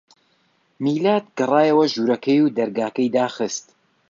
میلاد گەڕایەوە ژوورەکەی و دەرگاکەی داخست.